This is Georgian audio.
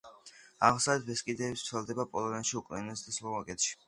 აღმოსავლეთი ბესკიდები ვრცელდება პოლონეთში, უკრაინასა და სლოვაკეთში.